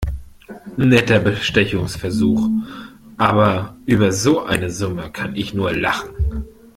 Netter Bestechungsversuch, aber über so eine Summe kann ich nur lachen.